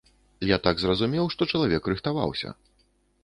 Я так зразумеў, што чалавек рыхтаваўся.